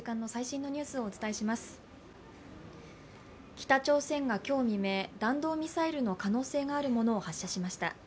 北朝鮮が今日未明、弾道ミサイルの可能性があるものを発射しました。